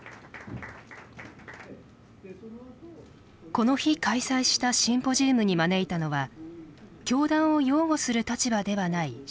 この日開催したシンポジウムに招いたのは教団を擁護する立場ではない宗教学者。